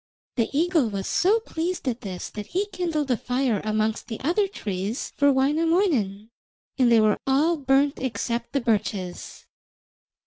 The eagle was so pleased at this that he kindled a fire amongst the other trees for Wainamoinen, and they were all burnt except the birches.